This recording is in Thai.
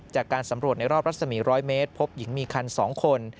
จากการสำรวจในรอบรัศมี๑๐๐เมตรพบหญิงมีคัน๒คน